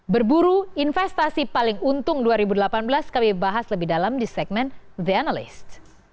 berburu investasi paling untung dua ribu delapan belas kami bahas lebih dalam di segmen the analyst